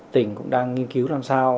tỉnh cũng đang nghiên cứu làm sao